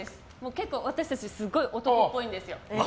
結構私たちすごい男っぽいんですよ